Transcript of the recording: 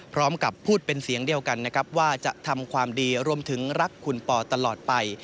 พร้อมกับพูดเป็นเสียงเดียวกันนะครับว่าจะทำความดีรวมถึงรักคุณปอตลอดไป